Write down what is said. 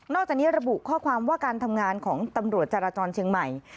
จากนี้ระบุข้อความว่าการทำงานของตำรวจจราจรเชียงใหม่